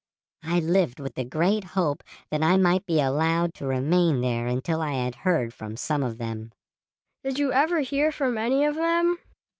I lived with the great hope that I might be allowed to remain there until I had heard from some of them." "Did you ever hear from any of them?"